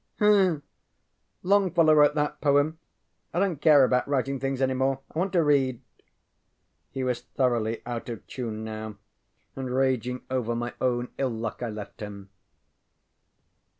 ŌĆØ ŌĆ£Umph! Longfellow wrote that poem. I donŌĆÖt care about writing things any more. I want to read. ŌĆØ He was thoroughly out of tune now, and raging over my own ill luck, I left him.